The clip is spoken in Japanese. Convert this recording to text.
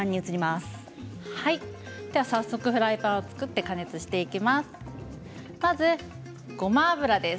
早速フライパンを加熱していきます。